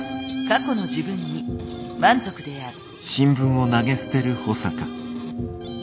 過去の自分に満足である。